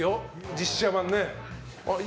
実写版ね。